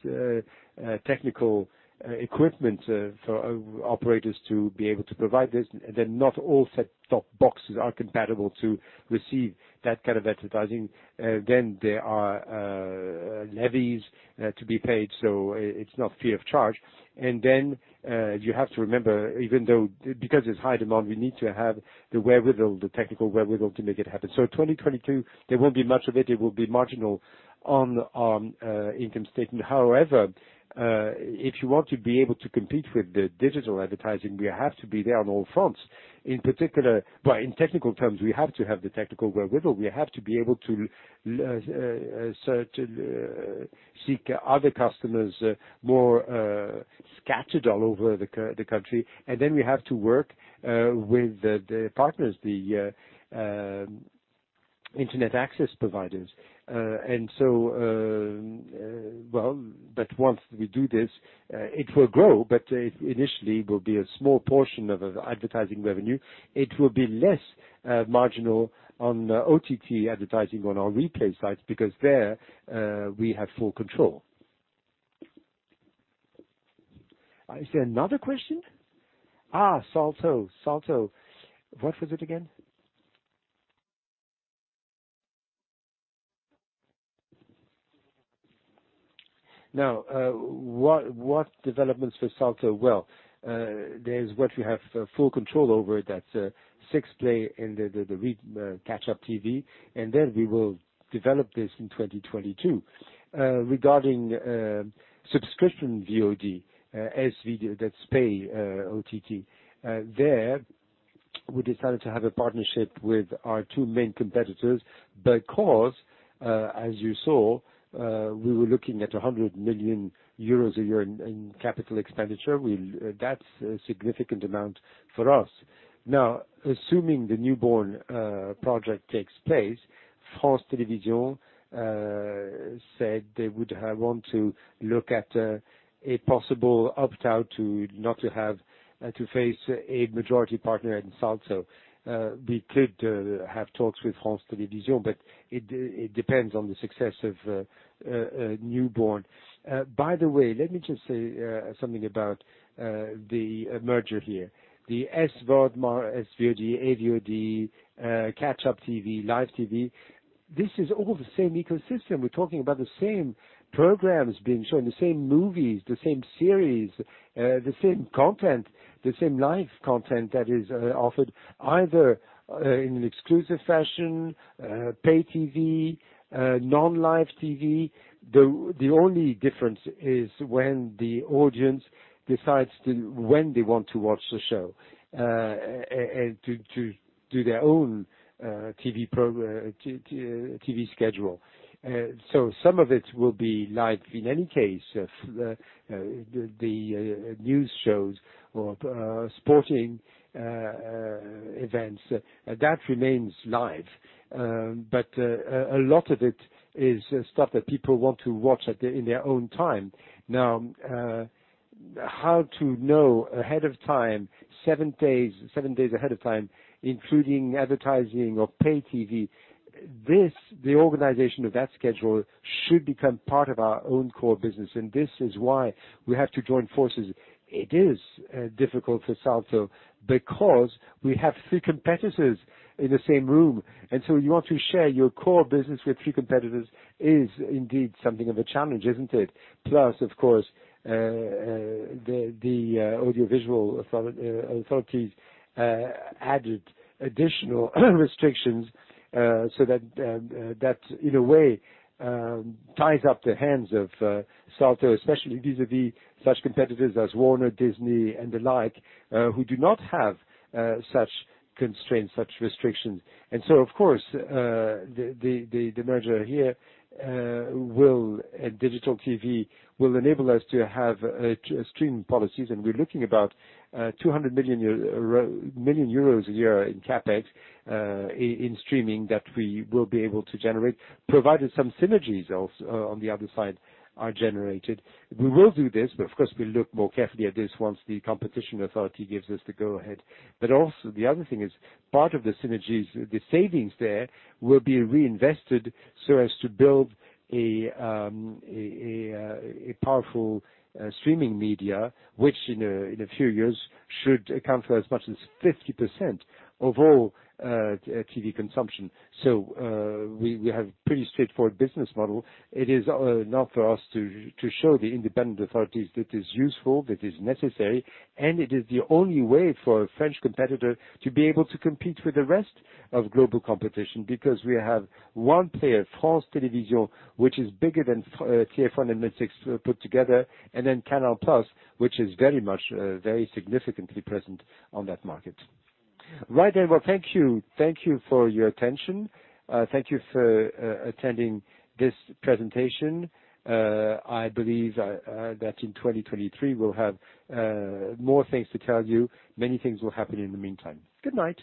technical equipment for operators to be able to provide this. Not all set-top boxes are compatible to receive that kind of advertising. Then there are levies to be paid, so it's not free of charge. You have to remember because it's high demand, we need to have the wherewithal, the technical wherewithal to make it happen. In 2022, there won't be much of it. It will be marginal on income statement. However, if you want to be able to compete with the digital advertising, we have to be there on all fronts. In particular, well, in technical terms, we have to have the technical wherewithal. We have to be able to search and seek other customers more scattered all over the country. Then we have to work with the partners, the internet access providers. Well, but once we do this, it will grow, but initially will be a small portion of advertising revenue. It will be less marginal on OTT advertising on our replay sites because there, we have full control. Is there another question? Salto. What was it again? Now, what developments for Salto? Well, there's what we have full control over that, 6play and the catch-up TV, and then we will develop this in 2022. Regarding subscription VOD, SVOD, that's pay OTT. There we decided to have a partnership with our two main competitors because, as you saw, we were looking at 100 million euros a year in capital expenditure. That's a significant amount for us. Now, assuming the merger project takes place, France Télévisions said they would want to look at a possible opt-out to not have to face a majority partner in Salto. We could have talks with France Télévisions, but it depends on the success of the merger. By the way, let me just say something about the merger here. The SVOD, AVOD, catch-up TV, live TV, this is all the same ecosystem. We're talking about the same programs being shown, the same movies, the same series, the same content, the same live content that is offered either in an exclusive fashion, pay-TV, non-live TV. The only difference is when they want to watch the show and to do their own TV schedule. Some of it will be live in any case, the news shows or sporting events. That remains live. A lot of it is stuff that people want to watch in their own time. Now, how to know ahead of time, seven days ahead of time, including advertising or pay-TV, this, the organization of that schedule should become part of our own core business, and this is why we have to join forces. It is difficult for Salto because we have three competitors in the same room. You want to share your core business with three competitors is indeed something of a challenge, isn't it? Plus, of course, the audiovisual authorities added additional restrictions, so that in a way ties up the hands of Salto, especially vis-à-vis such competitors as Warner, Disney, and the like, who do not have such constraints, such restrictions. Of course, the merger here will. Digital TV will enable us to have streaming policies. We're looking about 200 million euros a year in CapEx in streaming that we will be able to generate, provided some synergies also on the other side are generated. We will do this, but of course, we'll look more carefully at this once the competition authority gives us the go-ahead. Also, the other thing is, part of the synergies, the savings there will be reinvested so as to build a powerful streaming media, which in a few years should account for as much as 50% of all TV consumption. We have pretty straightforward business model. It is now for us to show the independent authorities that is useful, that is necessary, and it is the only way for a French competitor to be able to compete with the rest of global competition. Because we have one player, France Télévisions, which is bigger than TF1 and M6 put together, and then Canal+, which is very much, very significantly present on that market. Right then. Well, thank you. Thank you for your attention. Thank you for attending this presentation. I believe that in 2023, we'll have more things to tell you. Many things will happen in the meantime. Good night.